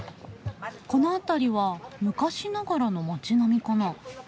この辺りは昔ながらの町並みかな。